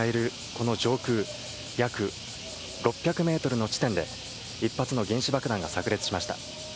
この上空約６００メートルの地点で、１発の原子爆弾がさく裂しました。